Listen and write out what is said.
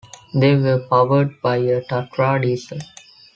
They were powered by a Tatra diesel.